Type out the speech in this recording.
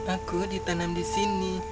aku ditanam di sini